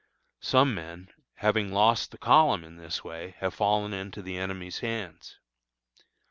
Some men, having lost the column in this way, have fallen into the enemy's hands.